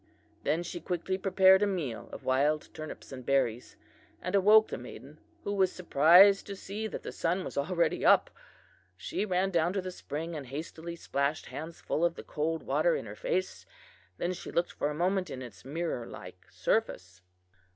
Then she quickly prepared a meal of wild turnips and berries, and awoke the maiden, who was surprised to see that the sun was already up. She ran down to the spring and hastily splashed handsful of the cold water in her face; then she looked for a moment in its mirror like surface.